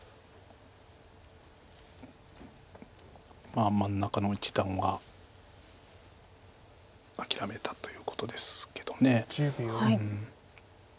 まあ真ん中の一団は諦めたということですけど。